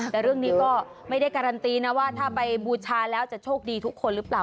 แต่เรื่องนี้ก็ไม่ได้การันตีนะว่าถ้าไปบูชาแล้วจะโชคดีทุกคนหรือเปล่า